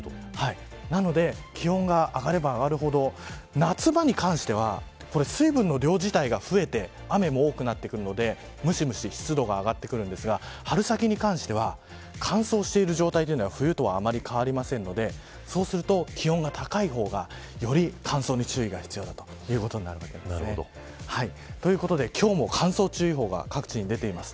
なので気温が上がれば上がるほど夏場に関しては水分の量自体が増えて雨も多くなってくるのでむしむし湿度が上がってくるんですが春先に関しては乾燥している状態は冬とあんまり変わりませんのでそうすると、気温が高い方がより乾燥に注意が必要だということになるわけです。ということで今日も乾燥注意報が各地に出ています。